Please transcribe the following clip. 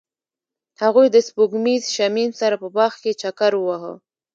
هغوی د سپوږمیز شمیم سره په باغ کې چکر وواهه.